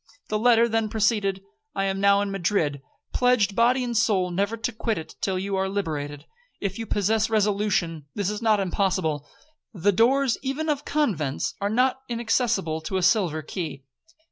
The letter then proceeded. 'I am now in Madrid, pledged body and soul never to quit it till you are liberated. If you possess resolution, this is not impossible,—the doors even of convents are not inaccessible to a silver key.